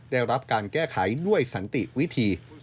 ได้รับการแก้ไขด้วยสันติวิธี